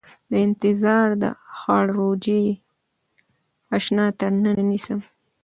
د انتظار د هاړ روژې اشنا تر ننه نيسم